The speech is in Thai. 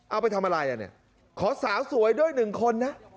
เอาไปทำอะไรโอเคเนี่ยขอสาวสวยโดย๑คนน่ะ